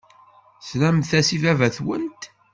Slemt-as i baba-twent.